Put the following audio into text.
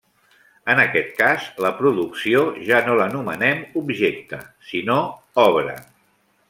En aquest cas, la producció ja no l'anomenem objecte, sinó obra.